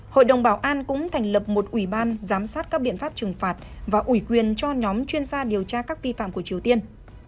hội đồng bảo an cũng thành lập một ủy ban giám sát các biện pháp trừng phạt và ủy quyền cho nhóm chuyên gia điều tra các vi phạm của triều tiên